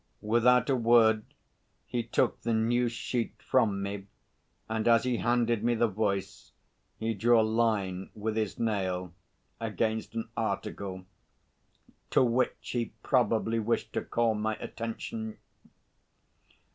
Without a word he took the News sheet from me, and as he handed me the Voice he drew a line with his nail against an article to which he probably wished to call my attention.